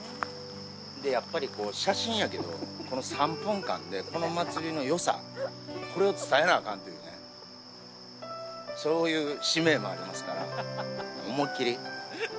で、やっぱりこう、写真やけど、この３分間でこの祭りのよさ、これを伝えなあかんっていうね、そういう使命もありますから、思いっ切り。